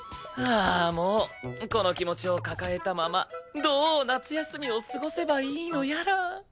あもうこの気持ちを抱えたままどう夏休みを過ごせばいいのやら。